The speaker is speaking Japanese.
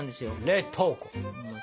冷凍庫！